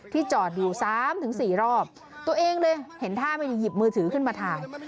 จอดอยู่๓๔รอบตัวเองเลยเห็นท่าไม่ดีหยิบมือถือขึ้นมาถ่าย